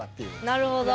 なるほど。